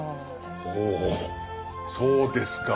ほうそうですか。